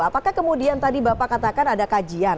apakah kemudian tadi bapak katakan ada kajian